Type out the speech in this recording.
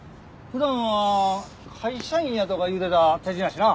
普段は会社員やとか言うてた手品師な。